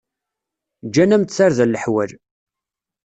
Ǧǧan-am-d tarda leḥwal.